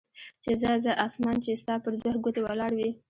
چې ځه ځه اسمان چې ستا پر دوه ګوتې ولاړ وي.